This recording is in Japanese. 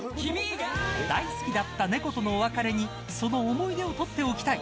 大好きだった猫とのお別れにその思い出をとっておきたい。